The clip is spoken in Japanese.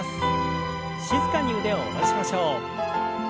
静かに腕を下ろしましょう。